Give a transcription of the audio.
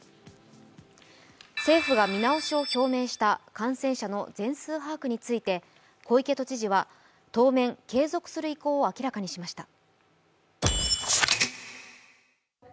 政府が見直しを表明した感染者の全数把握について小池都知事は、当面、継続する意向を明らかにしました。